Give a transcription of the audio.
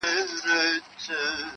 • چي پیدا کړي لږ ثروت بس هوایې سي..